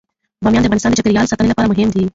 بامیان د افغانستان د چاپیریال ساتنې لپاره مهم دي.